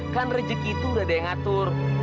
kan rejeki itu udah ada yang ngatur